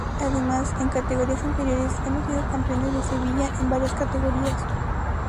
Además, en categorías inferiores, hemos sido campeones de Sevilla en varias categorías.